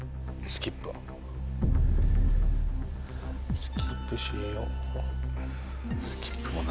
スキップしよう